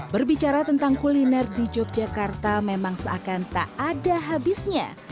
berbicara tentang kuliner di yogyakarta memang seakan tak ada habisnya